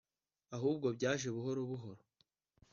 ahubwo byaje buhoro buhoro